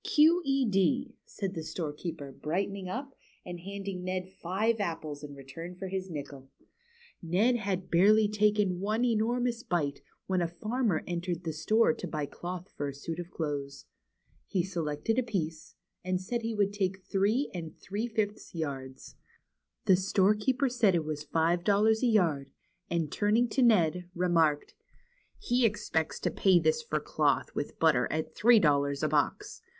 " Q. E. D.," said the storekeeper, brightening up, and handing Ned five apples in return for his nickel. Ned had barely taken one enormous bite, when a farmer entered the store to buy cloth for a suit of piece, and said he would take three and three fifths yards. The storekeeper said it was five dol lars a yard, and turning to Ned, remarked : "He expects to pay this for cloth with butter at three dollars a box.